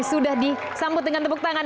sudah disambut dengan tepuk tangan